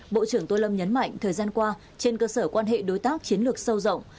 bộ trưởng tô lâm nhấn mạnh thời gian qua trên cơ sở quan hệ đối tác chiến lược sâu rộng